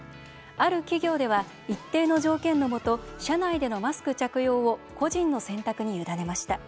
ある企業では、一定の条件の下社内でのマスク着用を個人の選択に委ねました。